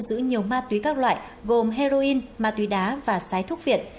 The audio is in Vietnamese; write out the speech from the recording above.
cơ quan công an đã thu giữ nhiều ma túy các loại gồm heroin ma túy đá và sái thuốc viện